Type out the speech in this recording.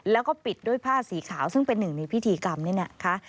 แล้วก็ปิดด้วยผ้าสีขาวซึ่งเป็นหนึ่งในพิธีกรรมนี่นะคะ